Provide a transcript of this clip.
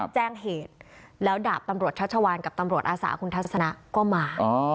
แจ้งเหตุแล้วดาบตำรวจชัชวานกับตำรวจอาสาคุณทัศนะก็มา